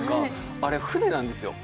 あれ、船なんですよ。